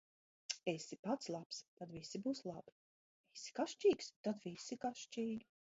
Esi pats labs, tad visi būs labi; esi kašķīgs, tad visi kašķīgi.